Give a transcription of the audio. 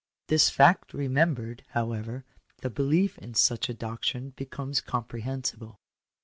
This fact remembered, however, the belief in such a doctrine becomes comprehensible.